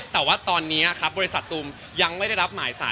แต่ว่าตอนนี้ครับบริษัทตูมยังไม่ได้รับหมายสาร